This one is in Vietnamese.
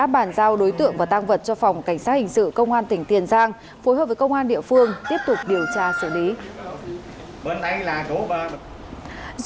bàn giao đối tượng và tăng vật cho phòng cảnh sát hình sự công an tỉnh tiền giang phối hợp với công an địa phương tiếp tục điều tra xử lý